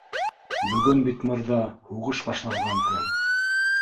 Бөгөн бит, мырҙа, һуғыш башланған көн